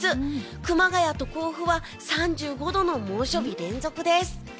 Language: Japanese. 熊谷と甲府は３５度の猛暑日連続です。